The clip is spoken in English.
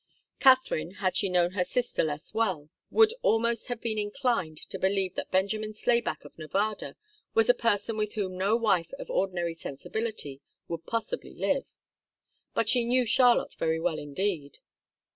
Katharine, had she known her sister less well, would almost have been inclined to believe that Benjamin Slayback of Nevada was a person with whom no wife of ordinary sensibility would possibly live. But she knew Charlotte very well indeed.